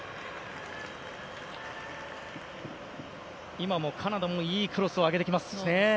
今もカナダいいクロスを上げてきますしね。